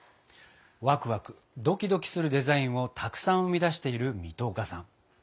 ワクワクドキドキするデザインをたくさん生み出している水戸岡さん。